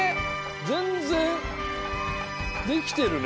全然できてるね。